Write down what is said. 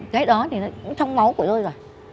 cái đó thì nó cũng trong máu của tôi rồi